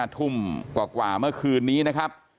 ทุ่มกว่าเมื่อคืนนี้นะครับ